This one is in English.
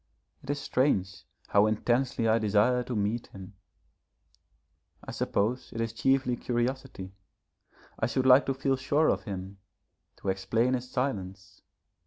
It is strange how intensely I desire to meet him. I suppose it is chiefly curiosity. I should like to feel sure of him, to explain his silence.